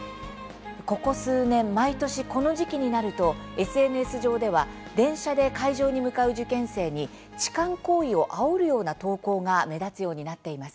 ここ数年、毎年この時期になるとＳＮＳ上では電車で会場に向かう受験生に痴漢行為をあおるような投稿が目立つようになっています。